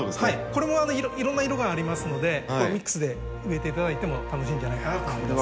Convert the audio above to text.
これもいろんな色がありますのでミックスで植えて頂いても楽しいんじゃないかなと思います。